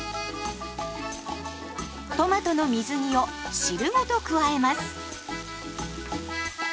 トマトの水煮を汁ごと加えます。